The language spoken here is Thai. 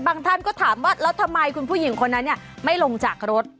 ท่านก็ถามว่าแล้วทำไมคุณผู้หญิงคนนั้นไม่ลงจากรถ